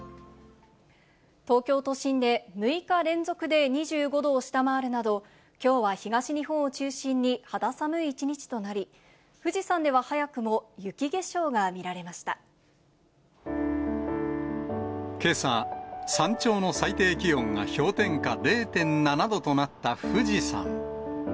東京都心で、６日連続で２５度を下回るなど、きょうは東日本を中心に肌寒い一日となり、富士山では早くも雪化けさ、山頂の最低気温が氷点下０．７度となった富士山。